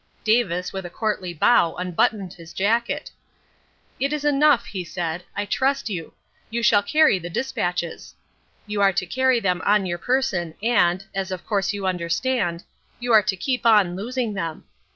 Davis with a courtly bow unbuttoned his jacket. "It is enough," he said. "I trust you. You shall carry the despatches. You are to carry them on your person and, as of course you understand, you are to keep on losing them.